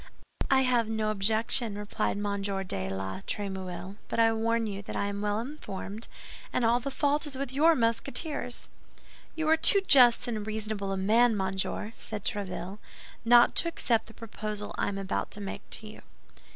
"I have no objection," replied M. de la Trémouille, "but I warn you that I am well informed, and all the fault is with your Musketeers." "You are too just and reasonable a man, monsieur!" said Tréville, "not to accept the proposal I am about to make to you."